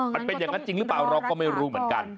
มันเป็นอย่างนั้นจริงหรือเปล่าเราก็ไม่รู้เหมือนกัน